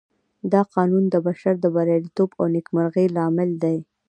دا قانون د بشر د برياليتوب او نېکمرغۍ لامل دی.